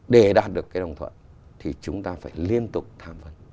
để đạt được cái đồng thuận thì chúng ta phải liên tục tham vấn